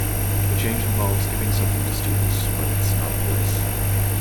The change involves giving something to students, but it's not a voice.